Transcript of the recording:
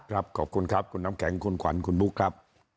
ขอบคุณครับคุณน้ำแข็งคุณขวัญคุณบุ๊คครับ